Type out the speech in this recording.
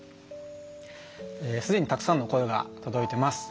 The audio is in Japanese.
すでにたくさんの声が届いています。